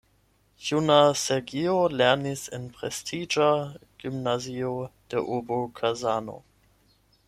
Juna Sergio lernis en prestiĝa gimnazio de urbo Kazano.